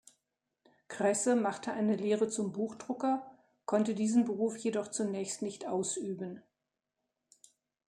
Kresse machte eine Lehre zum Buchdrucker, konnte diesen Beruf jedoch zunächst nicht ausüben.